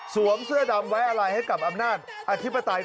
สวมเสื้อดำไว้อะไรให้กับอำนาจอธิบท์ไตยของประชาชน